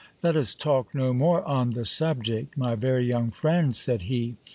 Let us talk no more on the subject, my very young friend, said he.